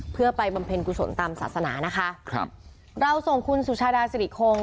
เพื่อไปบำเพ็ญกุศลตามศาสนานะคะครับเราส่งคุณสุชาดาสิริคง